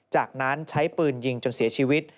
จากนั้นใช้ปืนยิงจนเสียชีวิต